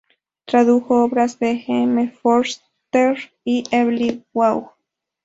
Tradujo obras de "E. M. Forster" y "Evelyn Waugh".